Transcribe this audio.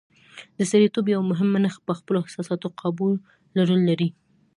د سړیتوب یوه مهمه نښه په خپلو احساساتو قابو لرل دي.